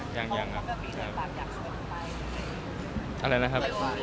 อย่างหวัดนะครับโลหิมอย่างครับ